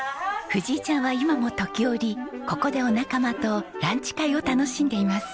藤井ちゃんは今も時折ここでお仲間とランチ会を楽しんでいます。